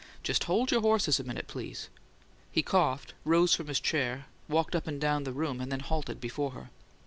"Just hold your horses a minute, please." He coughed, rose from his chair, walked up and down the room, then halted before her.